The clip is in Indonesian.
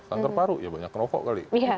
kanker paru ya banyak rokok kali